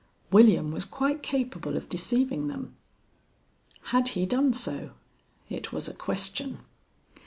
William was quite capable of deceiving them. Had he done so? It was a question.